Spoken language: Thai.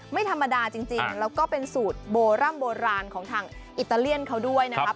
ไม่ธรรมดาจริงแล้วก็เป็นสูตรโบร่ำโบราณของทางอิตาเลียนเขาด้วยนะครับ